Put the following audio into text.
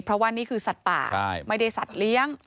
เพราะว่านี่คือสัตว์ป่าไม่ได้สัตว์เลี้ยง